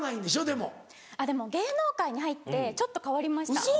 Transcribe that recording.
でも芸能界に入ってちょっと変わりました。